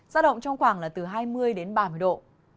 giao động trong khoảng là từ hai mươi đến ba mươi độ